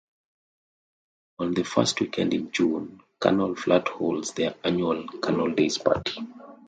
On the first weekend in June, Canal Flats holds their annual Canal Days Party.